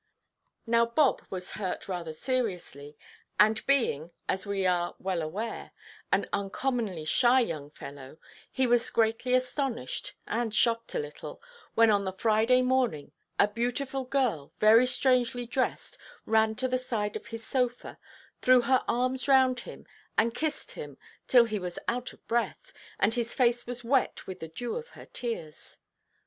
Now Bob was hurt rather seriously, and, being (as we are well aware) an uncommonly shy young fellow, he was greatly astonished, and shocked a little, when on the Friday morning a beautiful girl, very strangely dressed, ran to the side of his sofa, threw her arms round him, and kissed him till he was out of breath, and his face was wet with the dew of her tears.